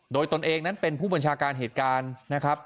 โดยตนเองนั้นเป็นผู้บัญชาการเหตุการณ์นะครับ